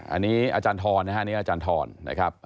อันนี้อาจารย์ทรนะฮะนี่อาจารย์ทรนะครับ